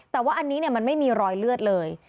แต่ว่าอันนี้มันไม่มีรอยเลือดเลย